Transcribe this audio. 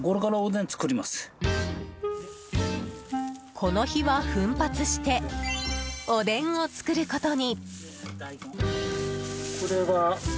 この日は、奮発しておでんを作ることに。